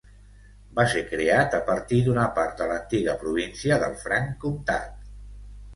Va ser creat a partir d'una part de l'antiga província del Franc Comtat.